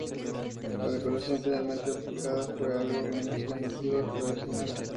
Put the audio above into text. La decoración finalmente aplicada fue algo menos llamativa que la original.